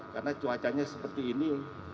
karena cuacanya seperti ini